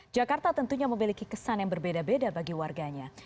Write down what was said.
jakarta tentunya memiliki kesan yang berbeda beda bagi warganya